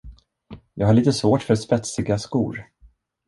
Jag har lite svårt för spetsiga skor.